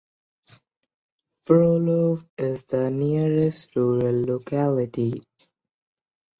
Frolov is the nearest rural locality.